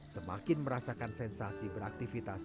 semakin merasakan sensasi beraktivitas